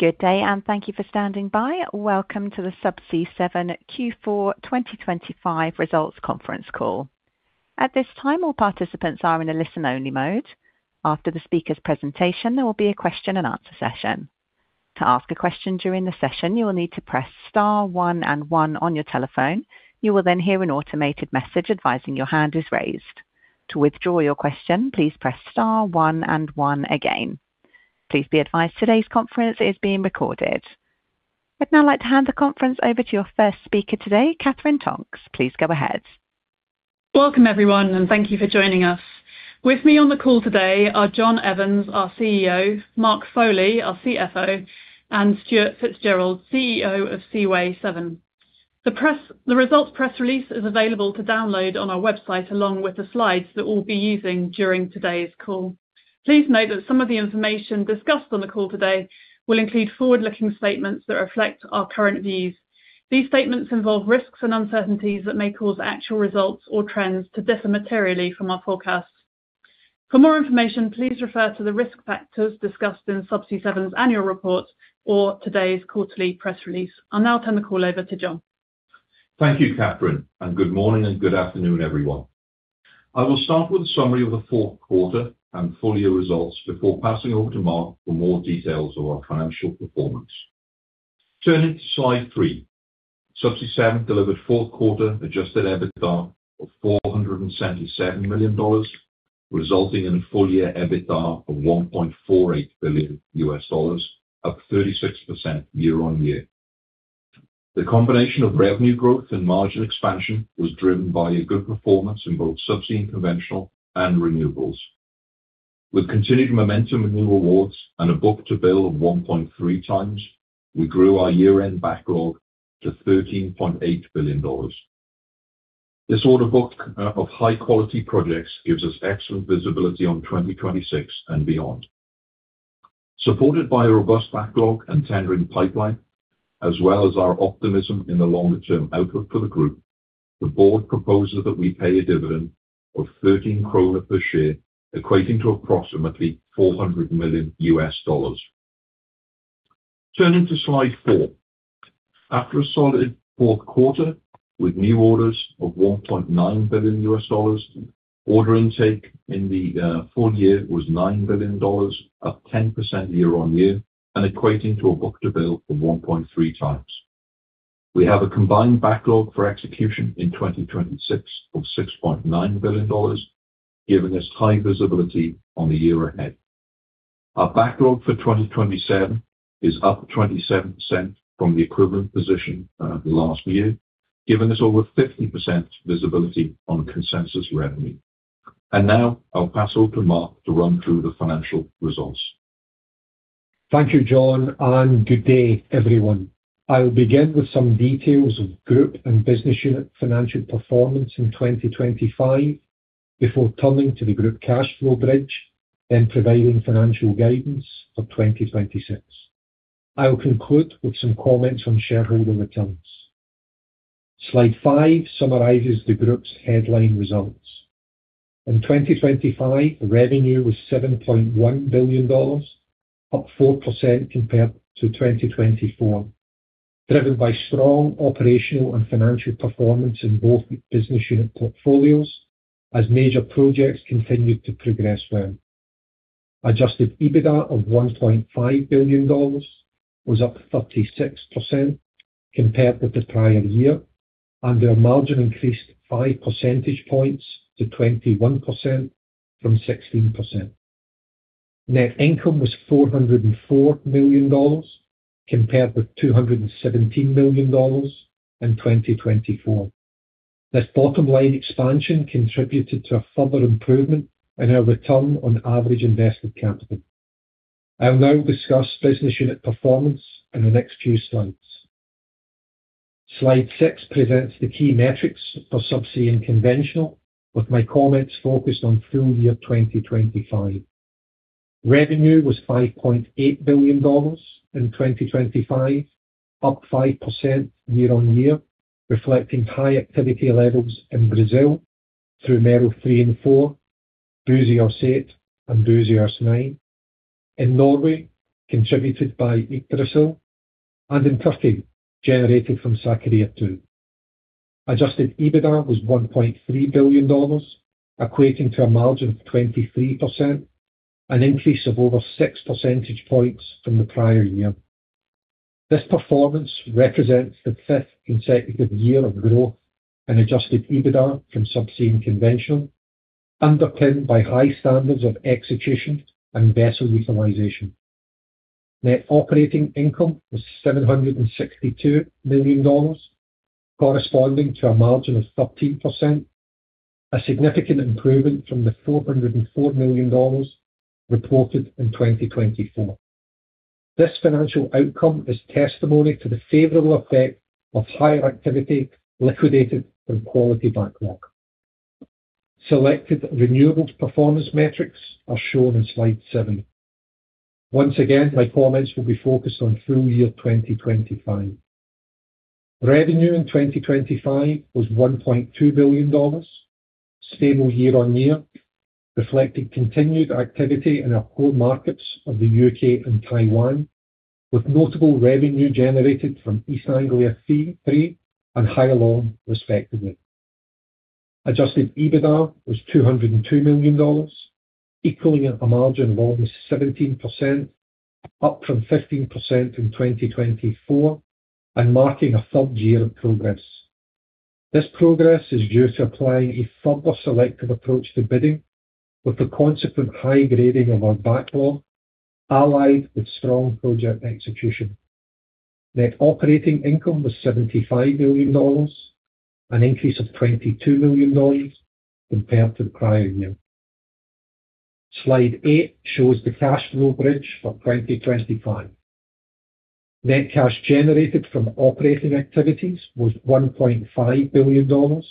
Good day. Thank you for standing by. Welcome to the Subsea 7 Q4 2025 results conference call. At this time, all participants are in a listen-only mode. After the speaker's presentation, there will be a question and answer session. To ask a question during the session, you will need to press star one and one on your telephone. You will then hear an automated message advising your hand is raised. To withdraw your question, please press star one and one again. Please be advised, today's conference is being recorded. I'd now like to hand the conference over to your first speaker today, Katherine Tonks. Please go ahead. Welcome, everyone, and thank you for joining us. With me on the call today are John Evans, our CEO, Mark Foley, our CFO, and Stuart Fitzgerald, CEO of Seaway 7. The results press release is available to download on our website, along with the slides that we'll be using during today's call. Please note that some of the information discussed on the call today will include forward-looking statements that reflect our current views. These statements involve risks and uncertainties that may cause actual results or trends to differ materially from our forecasts. For more information, please refer to the risk factors discussed in Subsea 7's annual report or today's quarterly press release. I'll now turn the call over to John. Thank you, Katherine. Good morning and good afternoon, everyone. I will start with a summary of the Q4 and full year results before passing over to Mark for more details on our financial performance. Turning to Slide three. Subsea 7 delivered Q4 adjusted EBITDA of $477 million, resulting in a full-year EBITDA of $1.48 billion, up 36% year-on-year. The combination of revenue growth and margin expansion was driven by a good performance in both Subsea and Conventional and renewables. With continued momentum in new awards and a book-to-bill of 1.3 times, we grew our year-end backlog to $13.8 billion. This order book of high-quality projects gives us excellent visibility on 2026 and beyond. Supported by a robust backlog and tendering pipeline, as well as our optimism in the longer-term outlook for the group, the board proposes that we pay a dividend of 13 kroner per share, equating to approximately $400 million. Turning to Slide four. After a solid Q4, with new orders of $1.9 billion, order intake in the full year was $9 billion, up 10% year-on-year, and equating to a book-to-bill of 1.3x. We have a combined backlog for execution in 2026 of $6.9 billion, giving us high visibility on the year ahead. Our backlog for 2027 is up 27% from the equivalent position last year, giving us over 50% visibility on consensus revenue. Now I'll pass over to Mark to run through the financial results. Thank you, John. Good day, everyone. I'll begin with some details of group and business unit financial performance in 2025 before turning to the group cash flow bridge, then providing financial guidance for 2026. I'll conclude with some comments on shareholder returns. Slide five summarizes the group's headline results. In 2025, the revenue was $7.1 billion, up 4% compared to 2024, driven by strong operational and financial performance in both business unit portfolios as major projects continued to progress well. Adjusted EBITDA of $1.5 billion was up 36% compared with the prior year. Our margin increased 5 percentage points to 21% from 16%. Net income was $404 million, compared with $217 million in 2024. This bottom-line expansion contributed to a further improvement in our return on average invested capital. I'll now discuss business unit performance in the next few slides. Slide six presents the key metrics for Subsea and Conventional, with my comments focused on full year 2025. Revenue was $5.8 billion in 2025, up 5% year-over-year, reflecting high activity levels in Brazil through Mero 3 and 4, Buzios 8, and Buzios 9. In Norway, contributed by Utsira High, and in Turkey, generated from Sakarya 2. Adjusted EBITDA was $1.3 billion, equating to a margin of 23%, an increase of over 6 percentage points from the prior year. This performance represents the fifth consecutive year of growth in adjusted EBITDA from Subsea and Conventional, underpinned by high standards of execution and vessel utilization. Net operating income was $762 million, corresponding to a margin of 13%, a significant improvement from the $404 million reported in 2024. This financial outcome is testimony to the favorable effect of higher activity liquidated from quality backlog. Selected renewables performance metrics are shown in Slide seven. Once again, my comments will be focused on full year 2025. Revenue in 2025 was $1.2 billion, stable year-on-year, reflecting continued activity in our core markets of the U.K. and Taiwan, with notable revenue generated from East Anglia THREE and Hai Long, respectively. Adjusted EBITDA was $202 million, equaling a margin of almost 17%, up from 15% in 2024, and marking a third year of progress. This progress is due to applying a further selective approach to bidding, with the consequent high grading of our backlog, allied with strong project execution. Net operating income was $75 million, an increase of $22 million compared to the prior year. Slide eight shows the cash flow bridge for 2025. Net cash generated from operating activities was $1.5 billion,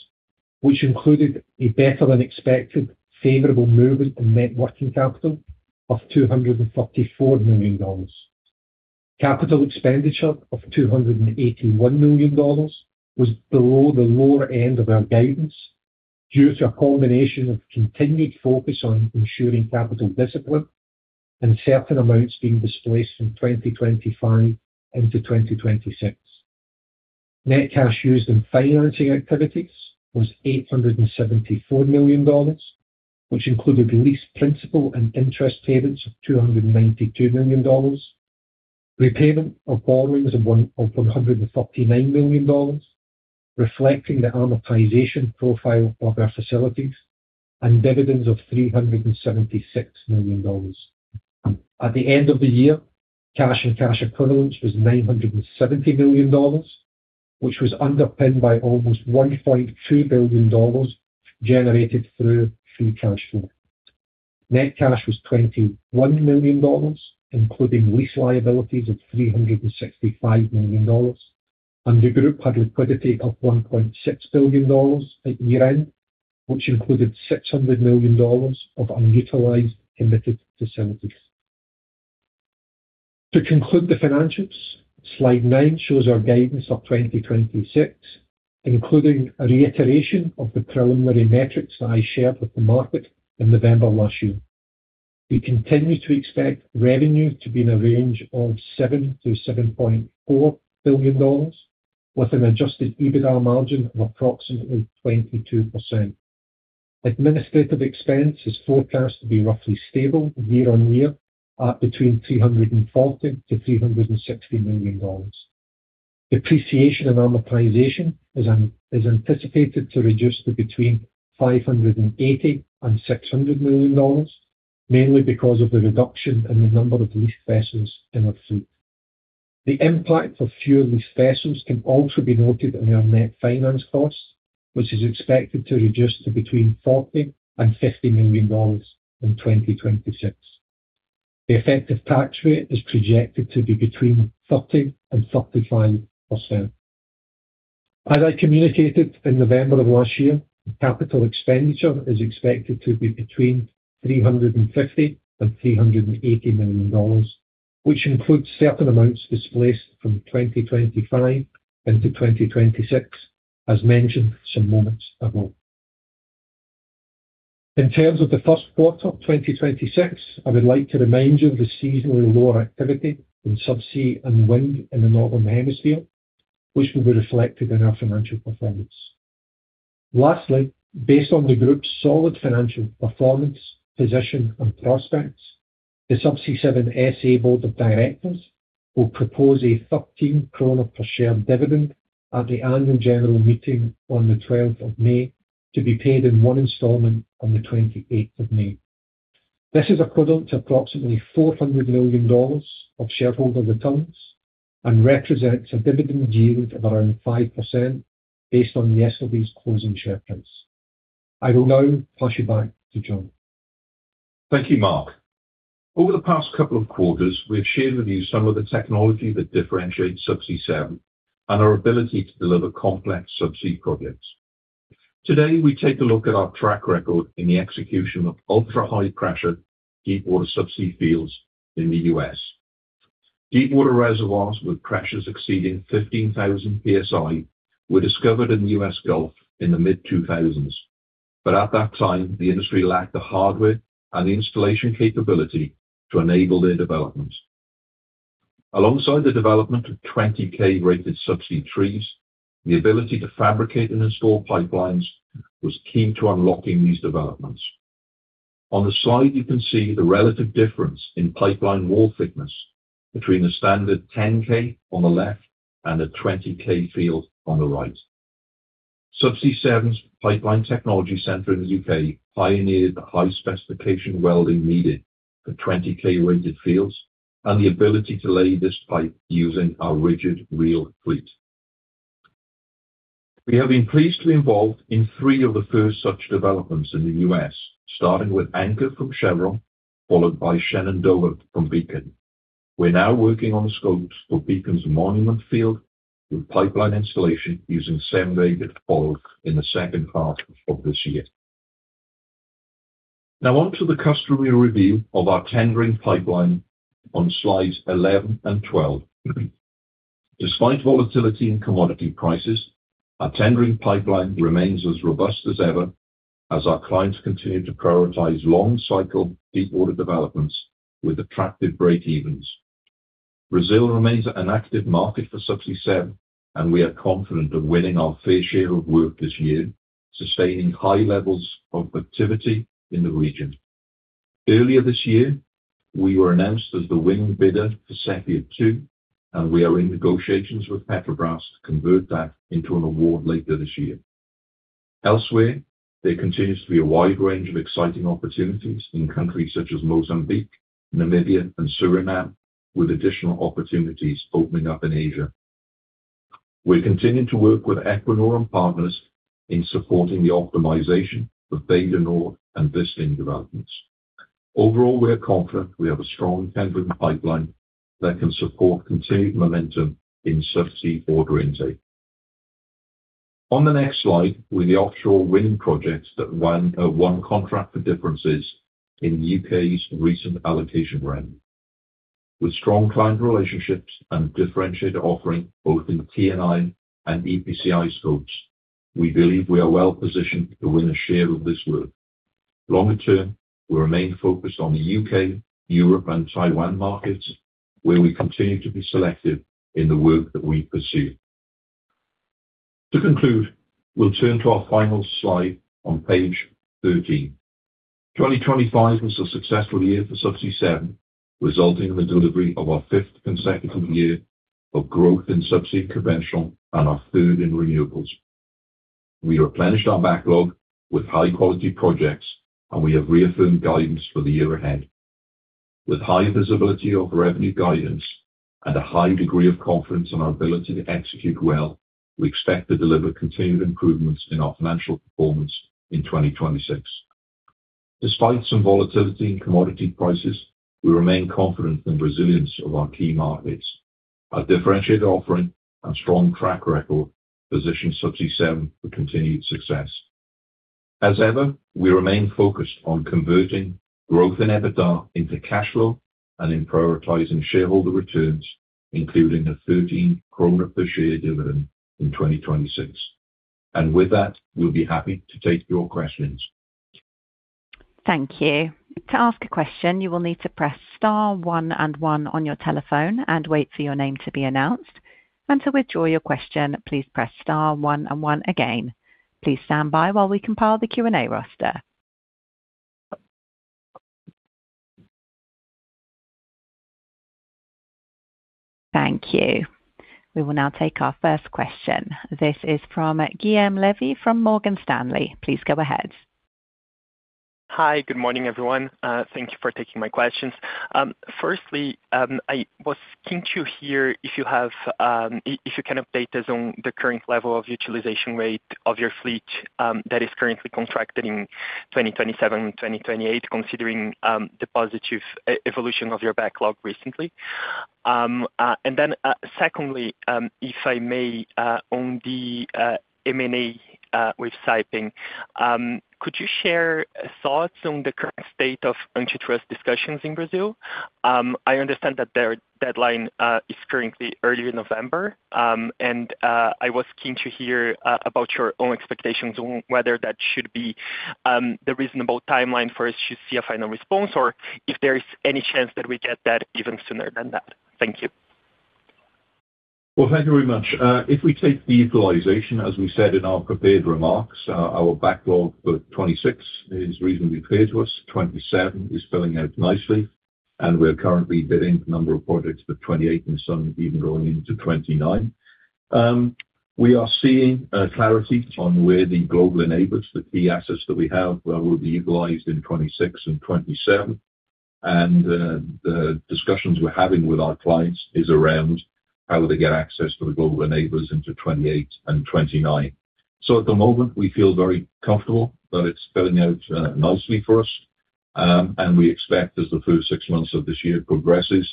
which included a better-than-expected favorable movement in net working capital of $234 million. Capital expenditure of $281 million was below the lower end of our guidance, due to a combination of continued focus on ensuring capital discipline and certain amounts being displaced from 2025 into 2026. Net cash used in financing activities was $874 million, which included the lease, principal, and interest payments of $292 million, repayment of borrowings of $139 million, reflecting the amortization profile of our facilities, and dividends of $376 million. At the end of the year, cash and cash equivalents was $970 million, which was underpinned by almost $1.2 billion generated through free cash flow. Net cash was $21 million, including lease liabilities of $365 million, and the group had liquidity of $1.6 billion at year-end, which included $600 million of unutilized committed facilities. To conclude the financials, slide nine shows our guidance of 2026, including a reiteration of the preliminary metrics that I shared with the market in November last year. We continue to expect revenue to be in a range of $7 billion-$7.4 billion, with an adjusted EBITDA margin of approximately 22%. Administrative expense is forecast to be roughly stable year-on-year, at between $340 million and $360 million. Depreciation and amortization is anticipated to reduce to between $580 million and $600 million, mainly because of the reduction in the number of leased vessels in our fleet. The impact of fewer leased vessels can also be noted in our net finance costs, which is expected to reduce to between $40 million and $50 million in 2026. The effective tax rate is projected to be between 30% and 35%. As I communicated in November of last year, capital expenditure is expected to be between $350 million and $380 million, which includes certain amounts displaced from 2025 into 2026, as mentioned some moments ago. In terms of the first quarter of 2026, I would like to remind you of the seasonally lower activity in subsea and wind in the Northern Hemisphere, which will be reflected in our financial performance. Lastly, based on the group's solid financial performance, position, and prospects, the Subsea 7 S.A. Board of Directors will propose a 13 kroner per share dividend at the annual general meeting on the 12th of May, to be paid in one installment on the 28th of May. This is equivalent to approximately $400 million of shareholder returns and represents a dividend yield of around 5% based on yesterday's closing share price. I will now pass you back to John. Thank you, Mark. Over the past couple of quarters, we've shared with you some of the technology that differentiates Subsea 7 and our ability to deliver complex subsea projects. Today, we take a look at our track record in the execution of ultra-high pressure, deepwater subsea fields in the U.S. Deepwater reservoirs with pressures exceeding 15,000 PSI were discovered in the U.S. Gulf in the mid-2000s. At that time, the industry lacked the hardware and installation capability to enable their development. Alongside the development of 20K-rated subsea trees, the ability to fabricate and install pipelines was key to unlocking these developments. On the slide, you can see the relative difference in pipeline wall thickness between the standard 10K on the left and a 20K field on the right. Subsea 7's Pipeline Technology Center in the U.K. pioneered the high-specification welding needed for 20K-rated fields and the ability to lay this pipe using our rigid reel fleet. We have been pleased to be involved in three of the first such developments in the U.S., starting with Anchor from Chevron, followed by Shenandoah from Beacon. We're now working on the scopes for Beacon's Monument field, with pipeline installation using Seven Vega org in the second half of this year. Now on to the customary review of our tendering pipeline on slides 11 and 12. Despite volatility in commodity prices, our tendering pipeline remains as robust as ever as our clients continue to prioritize long cycle, deepwater developments with attractive breakevens. Brazil remains an active market for Subsea 7, and we are confident of winning our fair share of work this year, sustaining high levels of activity in the region. Earlier this year, we were announced as the winning bidder for Sépia 2, and we are in negotiations with Petrobras to convert that into an award later this year. Elsewhere, there continues to be a wide range of exciting opportunities in countries such as Mozambique, Namibia and Suriname, with additional opportunities opening up in Asia. We're continuing to work with Equinor and partners in supporting the optimization of Bay du Nord and Wisting developments. Overall, we are confident we have a strong tendering pipeline that can support continued momentum in subsea order intake. On the next slide, with the offshore winning projects that won Contract for Differences in U.K.'s recent allocation round. With strong client relationships and differentiated offering, both in T&I and EPCI scopes, we believe we are well positioned to win a share of this work. Longer term, we remain focused on the U.K., Europe and Taiwan markets, where we continue to be selective in the work that we pursue. To conclude, we'll turn to our final slide on page 13. 2025 was a successful year for Subsea 7, resulting in the delivery of our fifth consecutive year of growth in Subsea Conventional and our third in renewables. We replenished our backlog with high quality projects, and we have reaffirmed guidance for the year ahead. With high visibility of revenue guidance and a high degree of confidence in our ability to execute well, we expect to deliver continued improvements in our financial performance in 2026. Despite some volatility in commodity prices, we remain confident in the resilience of our key markets. Our differentiated offering and strong track record position Subsea 7 for continued success. As ever, we remain focused on converting growth in EBITDA into cash flow and in prioritizing shareholder returns, including a 13 kroner per share dividend in 2026. With that, we'll be happy to take your questions. Thank you. To ask a question, you will need to press star one and one on your telephone and wait for your name to be announced. To withdraw your question, please press star one and one again. Please stand by while we compile the Q&A roster. Thank you. We will now take our first question. This is from Guilherme Levy, from Morgan Stanley. Please go ahead. Hi. Good morning, everyone. Thank you for taking my questions. Firstly, I was keen to hear if you have, if you can update us on the current level of utilization rate of your fleet, that is currently contracted in 2027, 2028, considering the positive evolution of your backlog recently. Secondly, if I may, on the M&A with Saipem, could you share thoughts on the current state of antitrust discussions in Brazil? I understand that their deadline is currently early November. I was keen to hear about your own expectations on whether that should be the reasonable timeline for us to see a final response, or if there is any chance that we get that even sooner than that. Thank you. Well, thank you very much. If we take the utilization, as we said in our prepared remarks, our backlog for 2026 is reasonably clear to us. 2027 is filling out nicely, and we're currently bidding a number of projects for 2028 and some even going into 2029. We are seeing clarity on where the global enablers, the key assets that we have, will be utilized in 2026 and 2027. The discussions we're having with our clients is around how they get access to the global enablers into 2028 and 2029. At the moment, we feel very comfortable that it's filling out nicely for us. We expect as the first six months of this year progresses,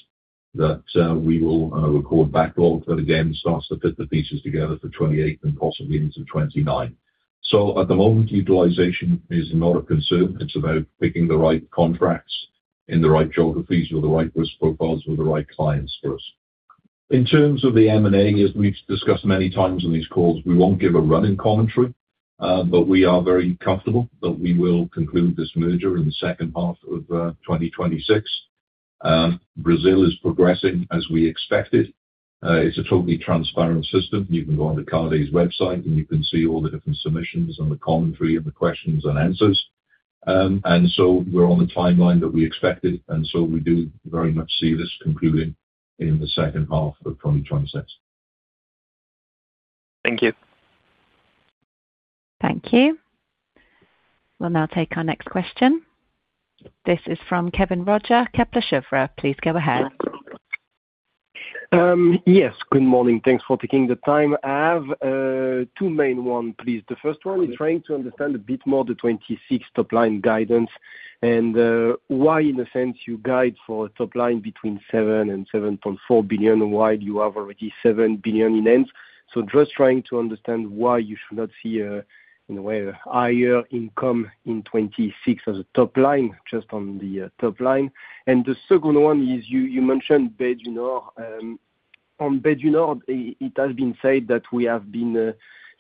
that we will record backlog that again, starts to fit the pieces together for 2028 and possibly into 2029. At the moment, utilization is not a concern. It's about picking the right contracts in the right geographies with the right risk profiles, with the right clients for us. In terms of the M&A, as we've discussed many times on these calls, we won't give a running commentary, but we are very comfortable that we will conclude this merger in the second half of 2026. Brazil is progressing as we expected. It's a totally transparent system. You can go on the CADE's website, and you can see all the different submissions and the commentary and the questions and answers. We're on the timeline that we expected, and so we do very much see this concluding in the second half of 2026. Thank you. Thank you. We'll now take our next question. This is from Kevin Roger, Kepler Cheuvreux. Please go ahead. Yes, good morning. Thanks for taking the time. I have two main one, please. The first one is trying to understand a bit more the 26 top line guidance and why, in a sense, you guide for a top line between $7 billion and $7.4 billion, while you have already $7 billion in ends. Just trying to understand why you should not see a, in a way, higher income in 26 as a top line, just on the top line. The second one is, you mentioned Bay du Nord. On Bay du Nord, it has been said that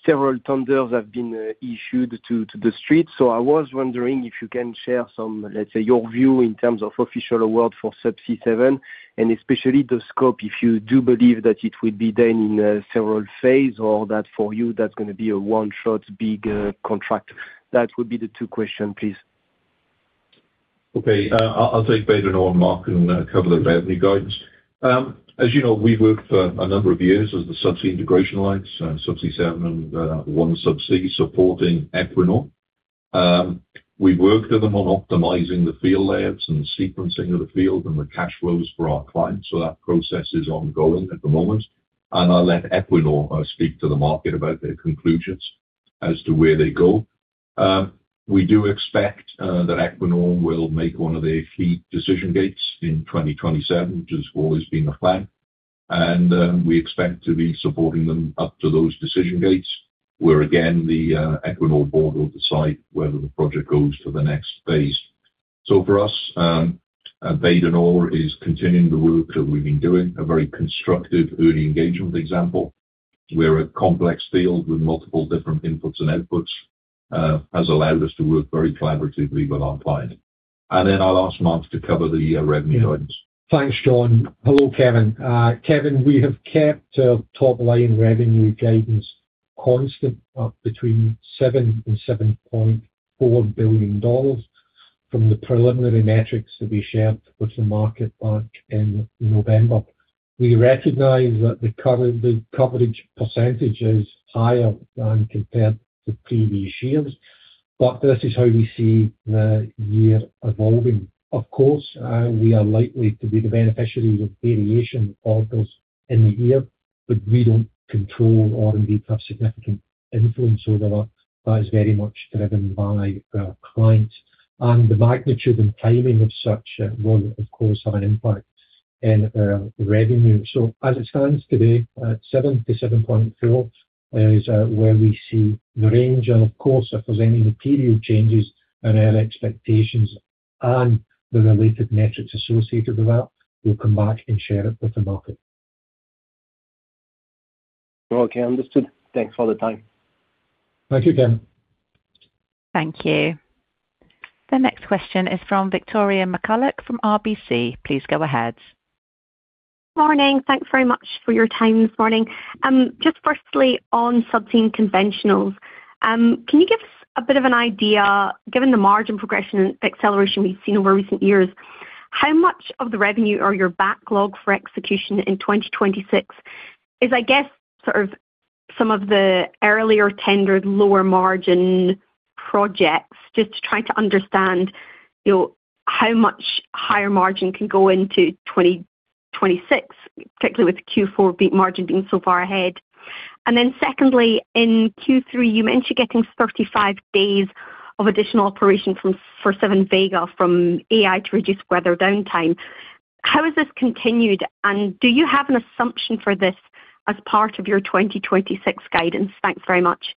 several tenders have been issued to the street. I was wondering if you can share some, let's say, your view in terms of official award for Subsea 7, and especially the scope, if you do believe that it will be done in several phases, or that for you, that's gonna be a one-shot big contract. That would be the two question, please. Okay. I'll take Bay du Nord, Mark, and cover the revenue guidance. As you know, we worked for a number of years as the Subsea Integration Alliance, Subsea 7, and OneSubsea supporting Equinor. We've worked with them on optimizing the field layouts and sequencing of the field and the cash flows for our clients, so that process is ongoing at the moment. I'll let Equinor speak to the market about their conclusions as to where they go. We do expect that Equinor will make one of their key decision gates in 2027, which has always been the plan, and we expect to be supporting them up to those decision gates, where, again, the Equinor board will decide whether the project goes to the next phase. For us, Bay du Nord is continuing the work that we've been doing, a very constructive early engagement example, where a complex field with multiple different inputs and outputs, has allowed us to work very collaboratively with our client. I'll ask Mark to cover the revenue guidance. Thanks, John. Hello, Kevin. Kevin, we have kept top-line revenue guidance constant up between $7 billion-$7.4 billion from the preliminary metrics that we shared with the market back in November. We recognize that the coverage percentage is higher than compared to previous years, but this is how we see the year evolving. Of course, we are likely to be the beneficiary of variation orders in the year, but we don't control or indeed, have significant influence over that. That is very much driven by our clients and the magnitude and timing of such will, of course, have an impact in our revenue. As it stands today, at $7 billion-$7.4 billion is where we see the range, and of course, if there's any material changes in our expectations and the related metrics associated with that, we'll come back and share it with the market. Okay, understood. Thanks for the time. Thank you, Kevin. Thank you. The next question is from Victoria McCulloch, from RBC. Please go ahead. Morning, thanks very much for your time this morning. Just firstly, on Subsea and Conventional, can you give us a bit of an idea, given the margin progression and acceleration we've seen over recent years, how much of the revenue or your backlog for execution in 2026 is some of the earlier tendered, lower margin projects? Just to try to understand, you know, how much higher margin can go into 2026, particularly with Q4 margin being so far ahead. Secondly, in Q3, you mentioned getting 35 days of additional operation for Seven Vega from AI to reduce weather downtime. How has this continued, and do you have an assumption for this as part of your 2026 guidance? Thanks very much.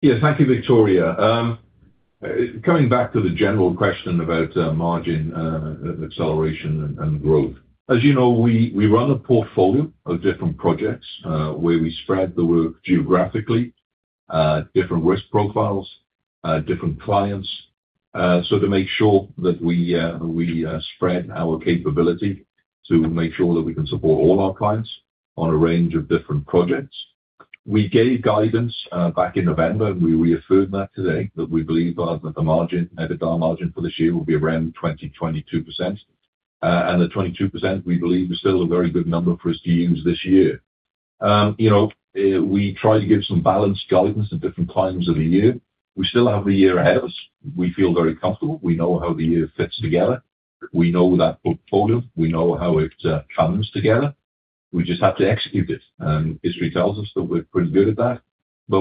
Yeah. Thank you, Victoria. Coming back to the general question about margin acceleration and growth. As you know, we run a portfolio of different projects, where we spread the work geographically, different risk profiles, different clients. To make sure that we spread our capability to make sure that we can support all our clients on a range of different projects. We gave guidance back in November, and we reaffirmed that today, that we believe that the margin, EBITDA margin for this year will be around 20%-22%. The 22%, we believe, is still a very good number for us to use this year. You know, we try to give some balanced guidance at different times of the year. We still have the year ahead of us. We feel very comfortable. We know how the year fits together. We know that portfolio. We know how it runs together. We just have to execute it. History tells us that we're pretty good at that.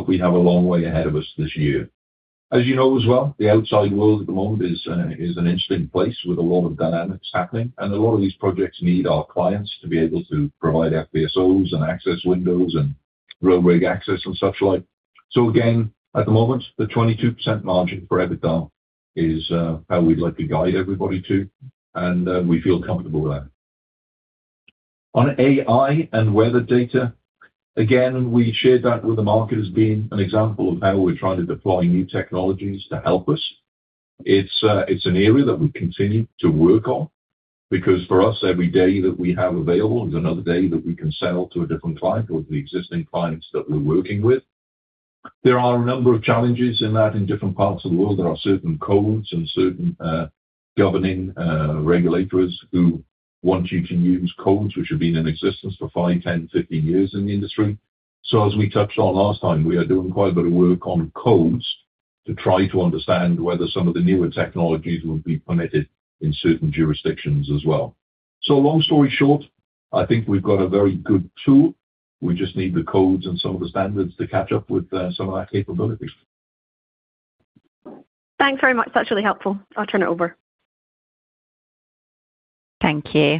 We have a long way ahead of us this year. You know as well, the outside world at the moment is an interesting place with a lot of dynamics happening. A lot of these projects need our clients to be able to provide FPSOs and access windows and row rig access and such like. Again, at the moment, the 22% margin for EBITDA is how we'd like to guide everybody to. We feel comfortable with that. On AI and weather data, again, we shared that with the market as being an example of how we're trying to deploy new technologies to help us. It's an area that we continue to work on because, for us, every day that we have available is another day that we can sell to a different client or the existing clients that we're working with. There are a number of challenges in that in different parts of the world. There are certain codes and certain governing regulators who want you to use codes which have been in existence for five, 10, 15 years in the industry. As we touched on last time, we are doing quite a bit of work on codes to try to understand whether some of the newer technologies will be permitted in certain jurisdictions as well. Long story short, I think we've got a very good tool. We just need the codes and some of the standards to catch up with some of our capabilities. Thanks very much. That's really helpful. I'll turn it over. Thank you.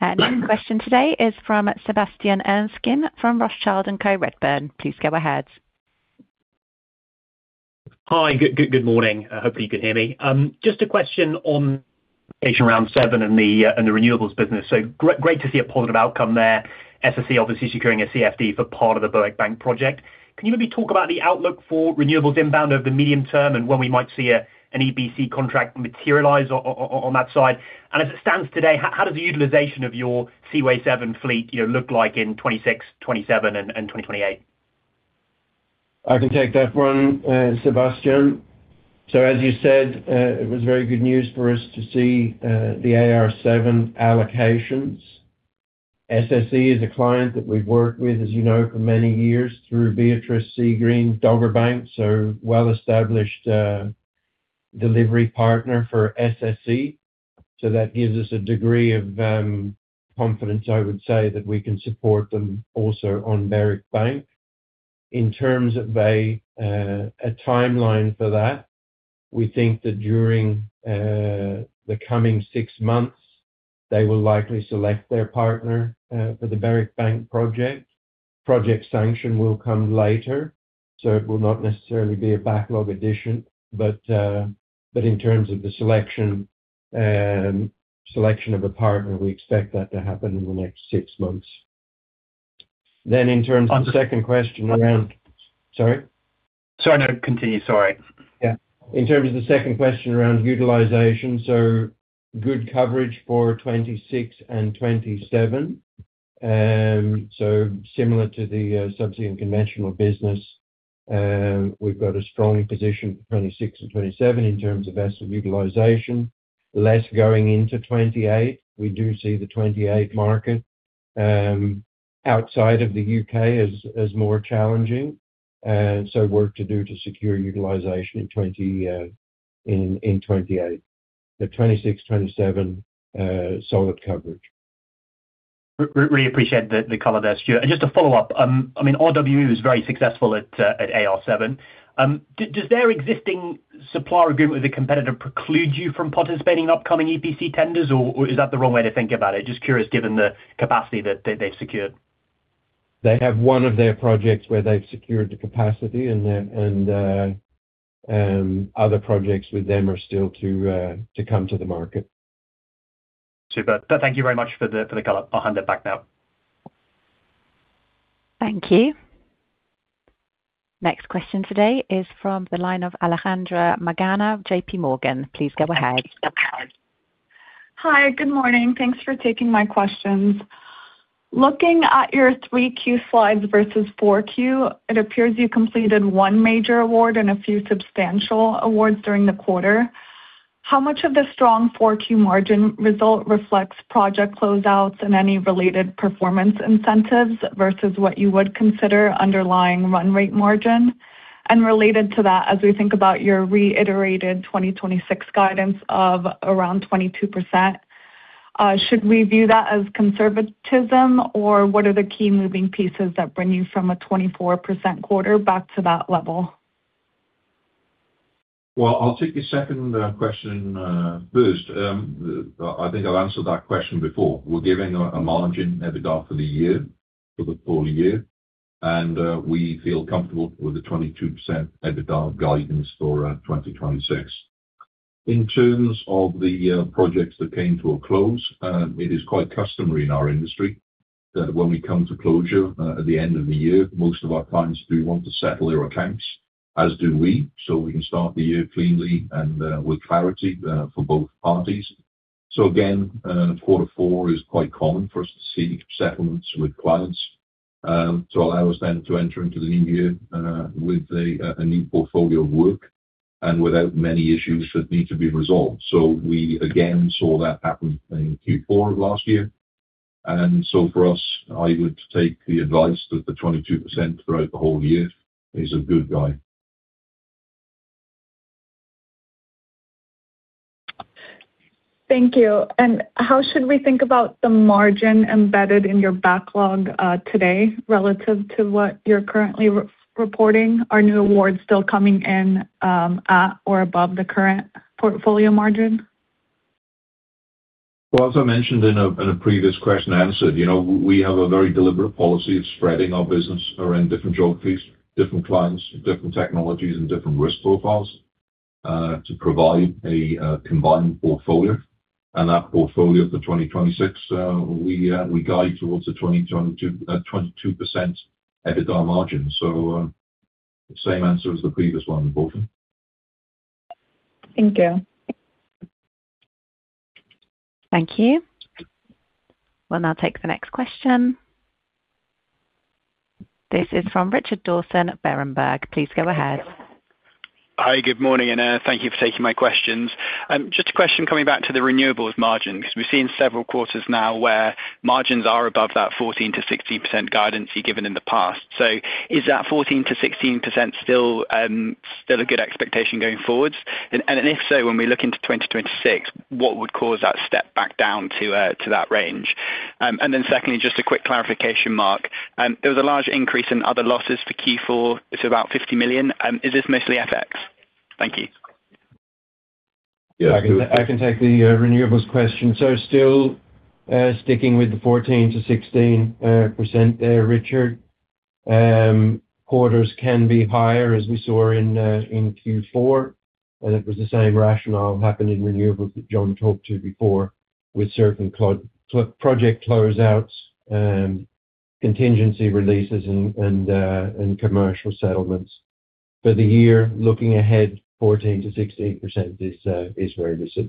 Our next question today is from Sebastian Erskine, from Rothschild & Co Redburn. Please go ahead. Hi, good morning. I hope you can hear me. Just a question on Asian Round Seven and the and the renewables business. Great to see a positive outcome there. SSE obviously securing a CFD for part of the Berwick Bank project. Can you maybe talk about the outlook for renewables inbound over the medium term, and when we might see an EBC contract materialize on that side? And as it stands today, how does the utilization of your Seaway 7 fleet, you know, look like in 2026, 2027 and 2028? I can take that one, Sebastian. As you said, it was very good news for us to see the AR-7 allocations. SSE is a client that we've worked with, as you know, for many years through Beatrice, Seagreen. Dogger Bank, so well-established delivery partner for SSE. That gives us a degree of confidence, I would say, that we can support them also on Berwick Bank. In terms of a timeline for that, we think that during the coming six months, they will likely select their partner for the Berwick Bank project. Project sanction will come later, so it will not necessarily be a backlog addition. In terms of the selection of a partner, we expect that to happen in the next six months. In terms of the second question around... Sorry? Sorry, no. Continue. Sorry. Yeah. In terms of the second question around utilization, good coverage for 2026 and 2027. Similar to the Subsea and Conventional business, we've got a strong position, 2026 and 2027, in terms of asset utilization. Less going into 2028. We do see the 2028 market, outside of the U.K., as more challenging. Work to do to secure utilization in 2028. The 2026, 2027, solid coverage. Really appreciate the color there, Stuart. Just to follow up, I mean, RWE was very successful at AR7. Does their existing supplier agreement with a competitor preclude you from participating in upcoming EPC tenders, or is that the wrong way to think about it? Just curious, given the capacity that they've secured. They have one of their projects where they've secured the capacity, and then other projects with them are still to come to the market. Super. Thank you very much for the, for the color. I'll hand it back now. Thank you. Next question today is from the line of Alejandra Magana, JPMorgan. Please go ahead. Hi, good morning. Thanks for taking my questions. Looking at your 3Q slides versus 4Q, it appears you completed one major award and a few substantial awards during the quarter. How much of the strong 4Q margin result reflects project closeouts and any related performance incentives, versus what you would consider underlying run rate margin? Related to that, as we think about your reiterated 2026 guidance of around 22%, should we view that as conservatism, or what are the key moving pieces that bring you from a 24% quarter back to that level? Well, I'll take the second question first. I think I've answered that question before. We're giving a margin EBITDA for the year, for the full year, and we feel comfortable with the 22% EBITDA guidance for 2026. In terms of the projects that came to a close, it is quite customary in our industry that when we come to closure, at the end of the year, most of our clients do want to settle their accounts, as do we, so we can start the year cleanly and with clarity for both parties. Again, quarter four is quite common for us to see settlements with clients to allow us then to enter into the new year with a new portfolio of work and without many issues that need to be resolved. We again saw that happen in Q4 of last year. For us, I would take the advice that the 22% throughout the whole year is a good guide. Thank you. How should we think about the margin embedded in your backlog today, relative to what you're currently reporting? Are new awards still coming in at or above the current portfolio margin? Well, as I mentioned in a previous question answered, you know, we have a very deliberate policy of spreading our business around different geographies, different clients, different technologies, and different risk profiles, to provide a combined portfolio. That portfolio for 2026, we guide towards a 22% EBITDA margin. Same answer as the previous one, Alejandra. Thank you. Thank you. We'll now take the next question. This is from Richard Dawson at Berenberg. Please go ahead. Hi, good morning, and thank you for taking my questions. Just a question coming back to the renewables margin, because we've seen several quarters now where margins are above that 14%-16% guidance you've given in the past. Is that 14%-16% still a good expectation going forwards? If so, when we look into 2026, what would cause that step back down to that range? Secondly, just a quick clarification, Mark. There was a large increase in other losses for Q4 to about $50 million. Is this mostly FX? Thank you. I can take the renewables question. Still sticking with the 14% to 16% there, Richard. Quarters can be higher, as we saw in Q4, and it was the same rationale happened in renewables that John talked to before, with certain project closeouts and contingency releases and commercial settlements. For the year, looking ahead, 14% to 16% is where this is.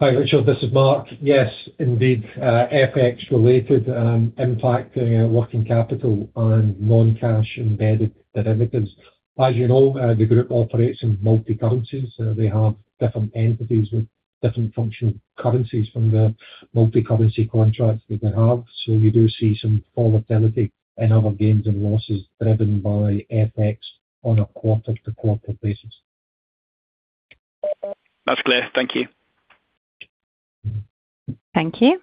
Hi, Richard, this is Mark. Yes, indeed, FX related, impacting working capital on non-cash embedded derivatives. As you know, the group operates in multi-countries. They have different entities with different functional currencies from the multi-currency contracts that they have. We do see some volatility and other gains and losses driven by FX on a quarter-to-quarter basis. That's clear. Thank you. Thank you.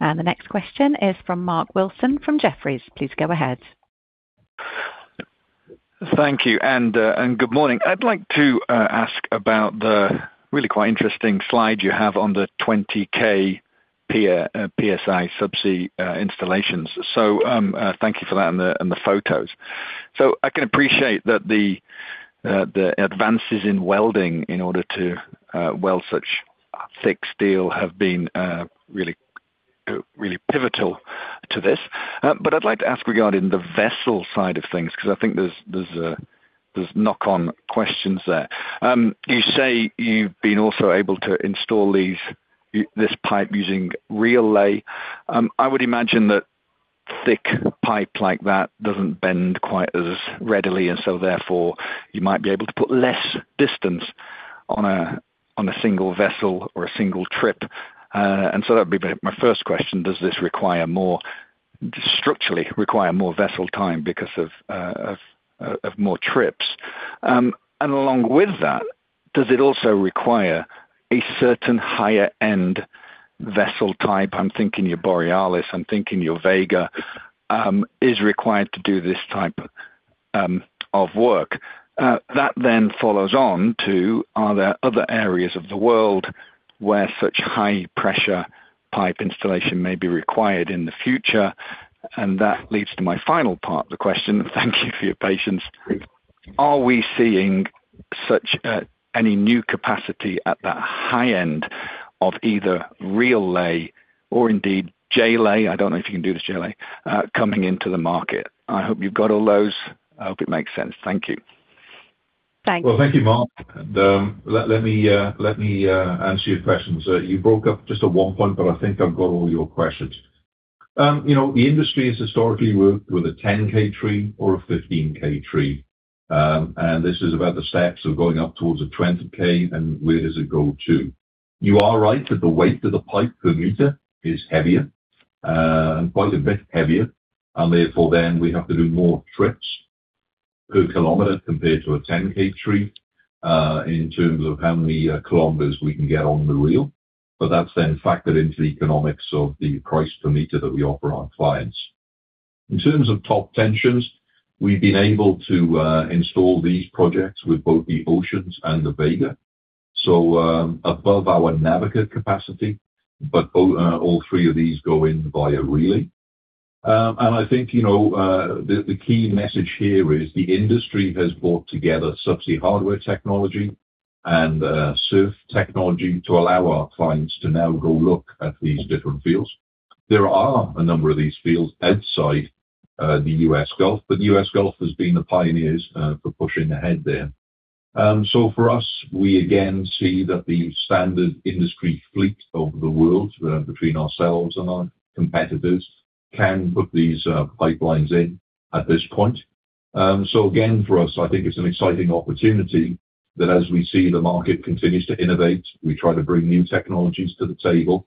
The next question is from Mark Wilson from Jefferies. Please go ahead. Thank you. Good morning. I'd like to ask about the really quite interesting slide you have on the 20K PSI subsea installations. Thank you for that and the photos. I can appreciate that the advances in welding in order to weld such thick steel have been really pivotal to this. I'd like to ask regarding the vessel side of things, because I think there's knock-on questions there. You say you've been also able to install these, this pipe using reel-Lay. I would imagine that thick pipe like that doesn't bend quite as readily, and so therefore, you might be able to put less distance on a single vessel or a single trip. That'd be my first question. Does this require more, structurally require more vessel time because of more trips? Along with that, does it also require a certain higher end vessel type? I'm thinking your Borealis, I'm thinking your Vega, is required to do this type of work? That then follows on to, are there other areas of the world where such high pressure pipe installation may be required in the future? That leads to my final part of the question. Thank you for your patience. Are we seeing such any new capacity at that high end of either reel-Lay or indeed J-lay, I don't know if you can do this J-lay, coming into the market? I hope you've got all those. I hope it makes sense. Thank you. Thanks. Well, thank you, Mark. Let me answer your questions. You broke up just at one point, but I think I've got all your questions. You know, the industry has historically worked with a 10K tree or a 15K tree. This is about the steps of going up towards a 20K and where does it go to? You are right that the weight of the pipe per meter is heavier, and quite a bit heavier, and therefore, then we have to do more trips per kilometer compared to a 10K tree, in terms of how many kilometers we can get on the reel. That's then factored into the economics of the price per meter that we offer our clients. In terms of top tensions, we've been able to install these projects with both the Oceans and the Vega, so above our Navigator capacity, but all three of these go in via Reel-Lay. I think, you know, the key message here is the industry has brought together subsea hardware technology and SURF technology to allow our clients to now go look at these different fields. There are a number of these fields outside the U.S. Gulf, but the U.S. Gulf has been the pioneers for pushing ahead there. For us, we again see that the standard industry fleet over the world, between ourselves and our competitors, can put these pipelines in at this point. Again, for us, I think it's an exciting opportunity that as we see the market continues to innovate, we try to bring new technologies to the table,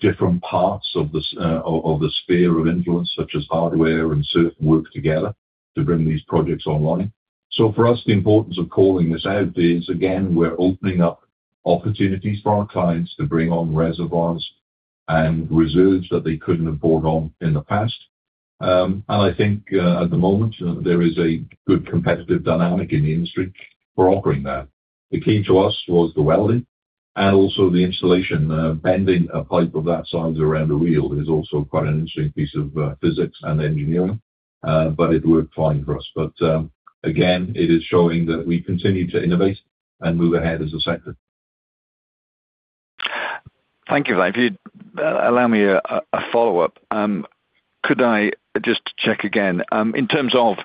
different parts of the sphere of influence, such as hardware and SURF, work together to bring these projects online. For us, the importance of calling this out is, again, we're opening up opportunities for our clients to bring on reservoirs and reserves that they couldn't have brought on in the past. I think, at the moment, there is a good competitive dynamic in the industry for offering that. The key to us was the welding and also the installation. Bending a pipe of that size around a wheel is also quite an interesting piece of physics and engineering, it worked fine for us. Again, it is showing that we continue to innovate and move ahead as a sector. Thank you. If you'd allow me a follow-up. Could I just check again in terms of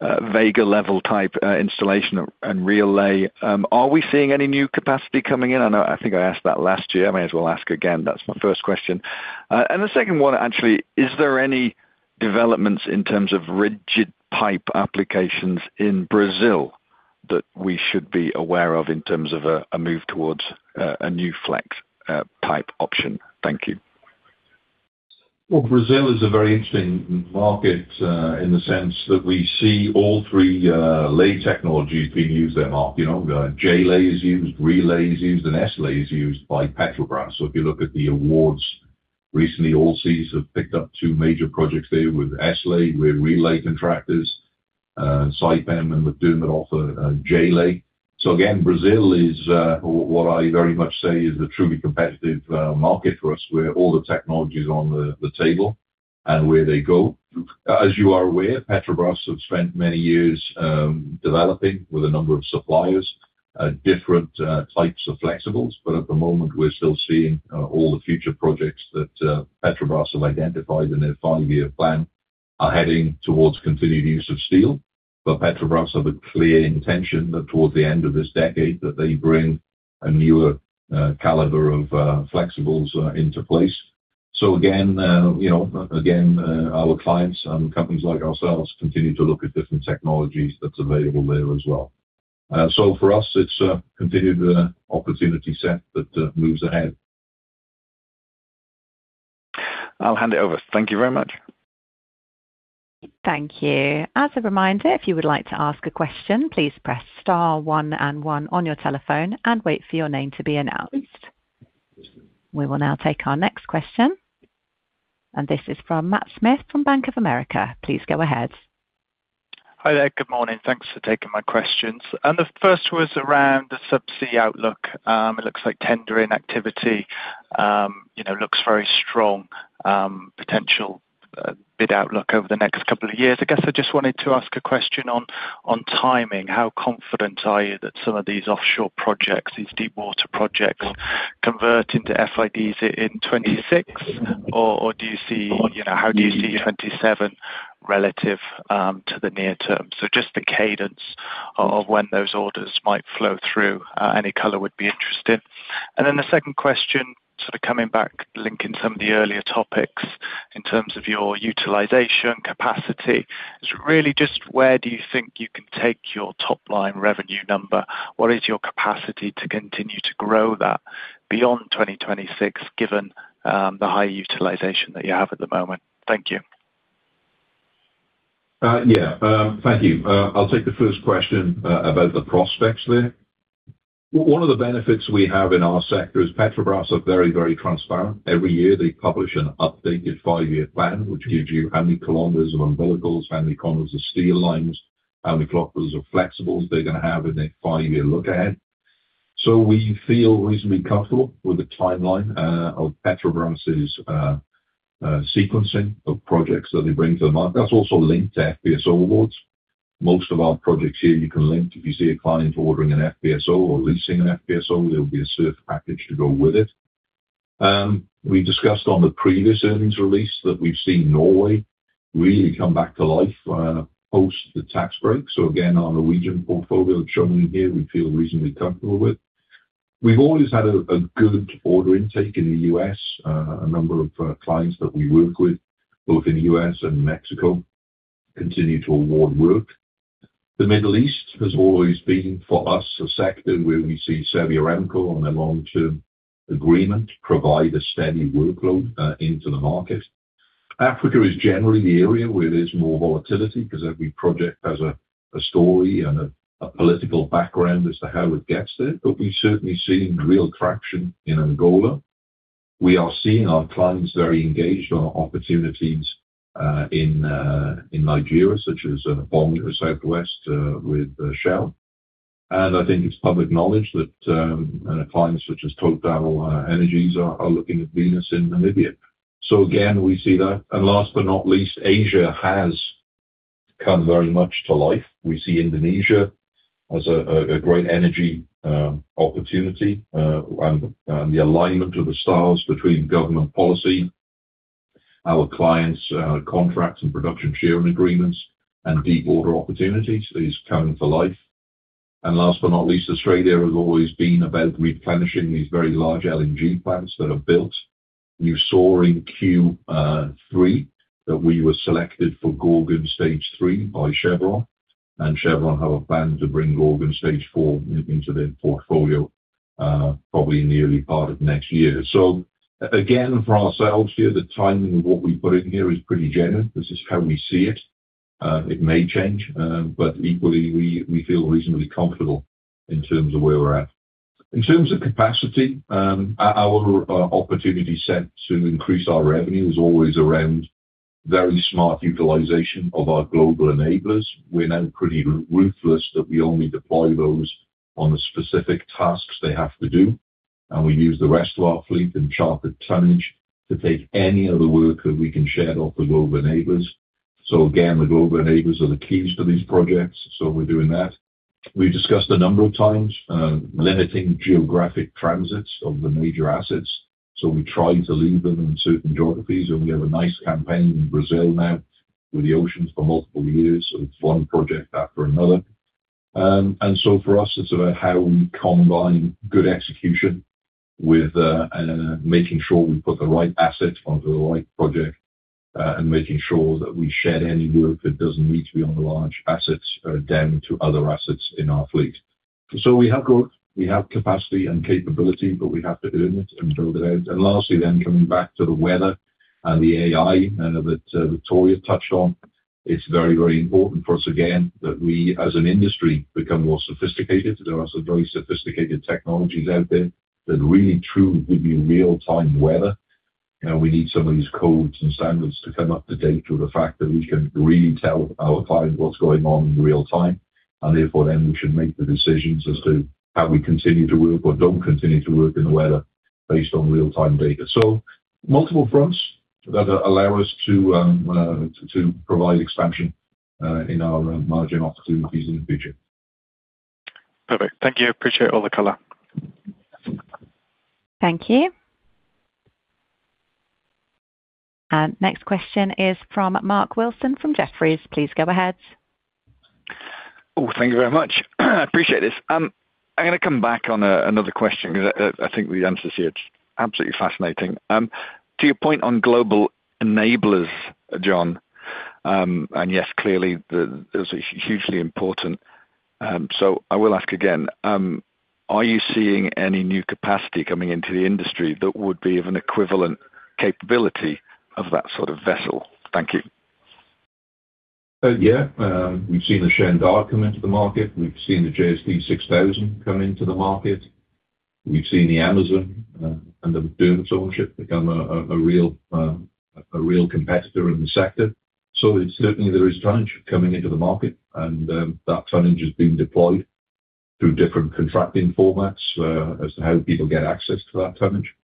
Vega level type installation and reel-Lay, are we seeing any new capacity coming in? I know, I think I asked that last year. I may as well ask again. That's my first question. The second one, actually, is there any developments in terms of rigid pipe applications in Brazil that we should be aware of in terms of a move towards a new flex pipe option? Thank you. Well, Brazil is a very interesting market, in the sense that we see all three lay technologies being used there, Mark. You know, J-lay is used, reel-Lay is used, and S-lay is used by Petrobras. If you look at the awards. Recently, Allseas have picked up two major projects there with S-lay, with reel-Lay contractors, Saipem and with Dumit also, J-lay. Again, Brazil is what I very much say is a truly competitive market for us, where all the technologies are on the table and where they go. As you are aware, Petrobras have spent many years developing with a number of suppliers, different types of flexibles. At the moment, we're still seeing all the future projects that Petrobras have identified in their five-year plan are heading towards continued use of steel. Petrobras have a clear intention that towards the end of this decade, that they bring a newer caliber of flexibles into place. Again, you know, again, our clients and companies like ourselves, continue to look at different technologies that's available there as well. So for us, it's continued opportunity set that moves ahead. I'll hand it over. Thank you very much. Thank you. As a reminder, if you would like to ask a question, please press star one and one on your telephone and wait for your name to be announced. We will now take our next question. This is from Matt Smith from Bank of America. Please go ahead. Hi there. Good morning. Thanks for taking my questions. The first was around the subsea outlook. It looks like tendering activity, you know, looks very strong, potential bid outlook over the next couple of years. I guess I just wanted to ask a question on timing. How confident are you that some of these offshore projects, these deepwater projects, convert into FIDs in 2026? Do you see, you know, how do you see 2027 relative to the near term? Just the cadence of when those orders might flow through. Any color would be interesting. The second question, sort of, coming back, linking some of the earlier topics in terms of your utilization capacity, is really just where do you think you can take your top line revenue number? What is your capacity to continue to grow that beyond 2026, given, the high utilization that you have at the moment? Thank you. Yeah, thank you. I'll take the first question about the prospects there. One of the benefits we have in our sector is Petrobras are very, very transparent. Every year, they publish an updated five-year plan, which gives you how many kilometers of umbilicals, how many kilometers of steel lines, how many kilometers of flexibles they're gonna have in their five-year look ahead. We feel reasonably comfortable with the timeline of Petrobras' sequencing of projects that they bring to the market. That's also linked to FPSO awards. Most of our projects here, you can link. If you see a client ordering an FPSO or leasing an FPSO, there will be a SURF package to go with it. We discussed on the previous earnings release, that we've seen Norway really come back to life post the tax break. Again, our Norwegian portfolio shown in here, we feel reasonably comfortable with. We've always had a good order intake in the U.S. A number of clients that we work with, both in the U.S. and Mexico, continue to award work. The Middle East has always been, for us, a sector where we see Saudi Aramco, on a long-term agreement, provide a steady workload into the market. Africa is generally the area where there's more volatility, because every project has a story and a political background as to how it gets there. We've certainly seen real traction in Angola. We are seeing our clients very engaged on opportunities in Nigeria, such as Bonga South West, with Shell. I think it's public knowledge that clients such as TotalEnergies are looking at Venus in Namibia. Again, we see that. Last but not least, Asia has come very much to life. We see Indonesia as a great energy opportunity, and the alignment of the stars between government policy, our clients, contracts and production sharing agreements and deep water opportunities is coming to life. Last but not least, Australia has always been about replenishing these very large LNG plants that are built. You saw in Q3 that we were selected for Gorgon Stage 3 by Chevron, and Chevron have a plan to bring Gorgon Stage 4 into their portfolio probably in the early part of next year. Again, for ourselves here, the timing of what we put in here is pretty generous. This is how we see it. It may change, but equally we feel reasonably comfortable in terms of where we're at. In terms of capacity, our opportunity set to increase our revenue is always around very smart utilization of our global enablers. We're now pretty ruthless, that we only deploy those on the specific tasks they have to do, and we use the rest of our fleet and chartered tonnage to take any other work that we can shed off the global enablers. Again, the global enablers are the keys to these projects, so we're doing that. We've discussed a number of times, limiting geographic transits of the major assets, so we try to leave them in certain geographies. We have a nice campaign in Brazil now with the Oceans for multiple years, so it's one project after another. For us, it's about how we combine good execution with making sure we put the right assets onto the right project, and making sure that we shed any work that doesn't need to be on the large assets, down to other assets in our fleet. We have capacity and capability, but we have to earn it and build it out. Coming back to the weather and the AI that Victoria touched on, it's very, very important for us, again, that we, as an industry, become more sophisticated. There are some very sophisticated technologies out there that really true give you real-time weather, and we need some of these codes and standards to come up to date with the fact that we can really tell our clients what's going on in real time. We should make the decisions as to how we continue to work or don't continue to work in the weather based on real-time data. Multiple fronts that allow us to provide expansion in our margin opportunities in the future. Perfect. Thank you. Appreciate all the color. Thank you. Next question is from Mark Wilson, from Jefferies. Please go ahead. Oh, thank you very much. I appreciate this. I'm gonna come back on another question because I think the answers here are absolutely fascinating. To your point on global enablers, John, yes, clearly, this is hugely important. I will ask again, are you seeing any new capacity coming into the industry that would be of an equivalent capability of that sort of vessel? Thank you. Yeah. We've seen the Shen Da come into the market. We've seen the JSD 6000 come into the market. We've seen the Amazon under Maersk ownership become a real competitor in the sector. It's certainly there is tonnage coming into the market, and that tonnage is being deployed through different contracting formats as to how people get access to that tonnage.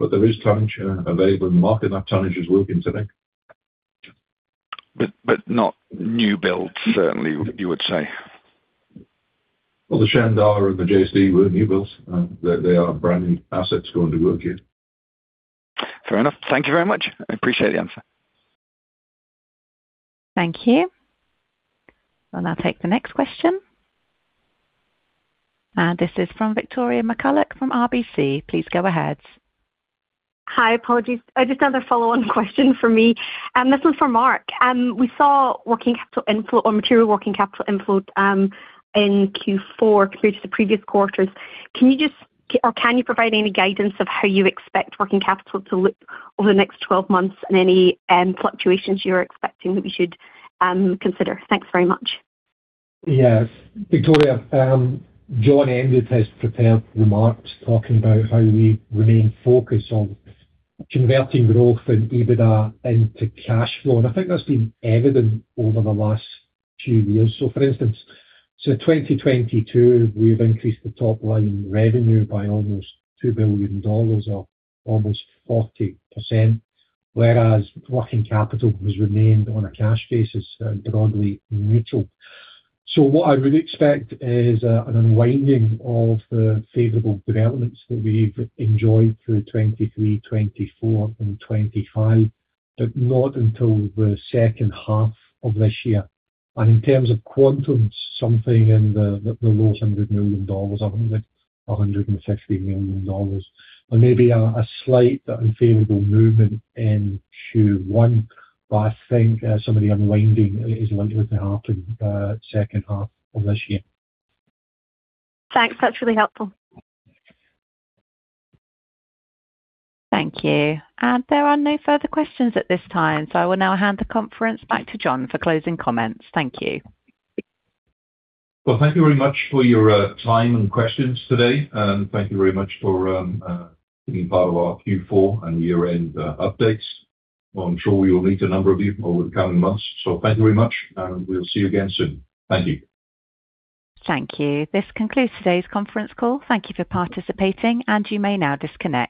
There is tonnage available in the market. That tonnage is working today. Not new builds, certainly, you would say? Well, the Shen Da and the JSD were new builds, and they are brand new assets going to work here. Fair enough. Thank you very much. I appreciate the answer. Thank you. I'll now take the next question. This is from Victoria McCulloch from RBC. Please go ahead. Hi. Apologies. Just another follow-on question for me, and this one's for Mark. We saw working capital inflow or material working capital inflow in Q4 compared to the previous quarters. Can you provide any guidance of how you expect working capital to look over the next 12 months and any fluctuations you're expecting that we should consider? Thanks very much. Yes, Victoria, John ended his prepared remarks talking about how we remain focused on converting growth and EBITDA into cash flow, and I think that's been evident over the last few years. For instance, in 2022, we've increased the top line revenue by almost $2 billion, or almost 40%, whereas working capital has remained on a cash basis, broadly neutral. What I would expect is an unwinding of the favorable developments that we've enjoyed through 2023, 2024, and 2025, but not until the second half of this year. In terms of quantum, something in the low $100 million, up to $160 million, or maybe a slight unfavorable movement in Q1, but I think some of the unwinding is likely to happen second half of this year. Thanks. That's really helpful. Thank you. There are no further questions at this time, so I will now hand the conference back to John for closing comments. Thank you. Well, thank you very much for your time and questions today. Thank you very much for being part of our Q4 and year-end updates. I'm sure we will meet a number of you over the coming months. Thank you very much, and we'll see you again soon. Thank you. Thank you. This concludes today's conference call. Thank you for participating, and you may now disconnect.